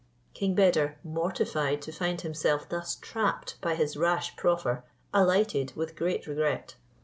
King Beder, mortified to find himself thus trapped by his rash proffer, alighted with great regret.